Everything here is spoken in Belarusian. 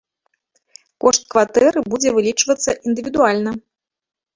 Кошт кватэры будзе вылічвацца індывідуальна.